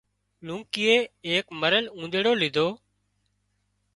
لونڪيئي ايڪ مرل اونۮيڙو ليڌو